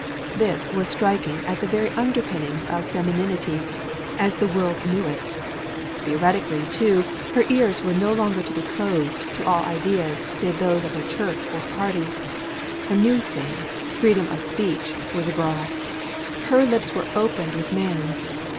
This was striking at the very underpinning of femininity, as the world knew it. Theoretically, too, her ears were no longer to be closed to all ideas save those of her church or party, a new thing, freedom of speech, was abroad, her lips were opened with man's.